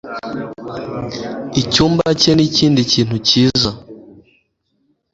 Icyumba cye nikindi kintu cyiza